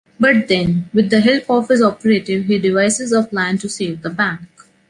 But then, with the help of his operative, he devises a plan to save the bank.